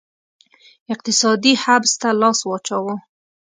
اقتصادي حبس ته لاس واچاوه